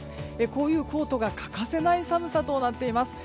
こういうコートが欠かせない寒さとなっています。